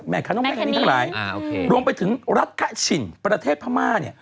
แมคานินโรงไปถึงรักชินประเทศพม่า